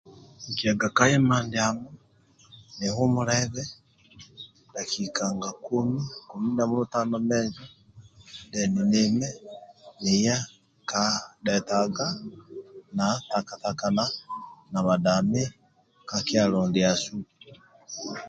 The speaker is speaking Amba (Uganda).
Nkiaga ka ima ndiamo nihumulebe dakinka nga komi komi namulu tano menjo deni nime niye ka dhetaga na taka takana na bhadami ka kyalo ndiasu